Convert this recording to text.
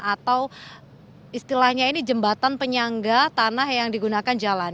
atau istilahnya ini jembatan penyangga tanah yang digunakan jalan